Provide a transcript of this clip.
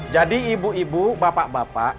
jadi ibu ibu bapak bapak